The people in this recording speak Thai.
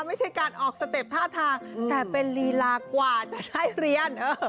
ไม่ใช่การออกสเต็ปท่าทางแต่เป็นลีลากว่าจะได้เรียน